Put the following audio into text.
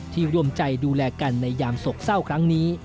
รวมใจดูแลกันในยามโศกเศร้าครั้งนี้